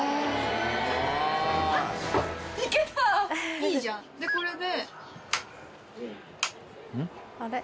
いいじゃんでこれで。